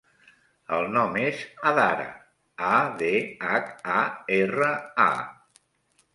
El nom és Adhara: a, de, hac, a, erra, a.